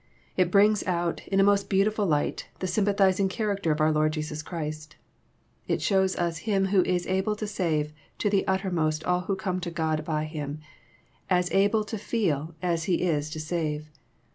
It brings out, in a most beautiful light, the sympathizing character of our Lord Jesus Christ. It shows us Him who is ^^able to save to the uttermost all who come to God by Him," as able to feel as He is to/ save.